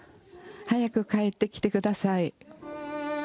早く帰ってきて下さい。